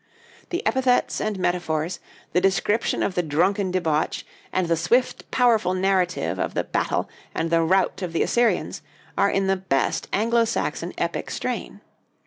The epithets and metaphors, the description of the drunken debauch, and the swift, powerful narrative of the battle and the rout of the Assyrians, are in the best Anglo Saxon epic strain.